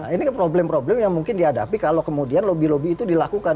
ini kan problem problem yang mungkin dihadapi kalau kemudian lobby lobby itu dilakukan